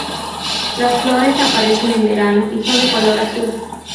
Las flores aparecen en verano, y son de color azul.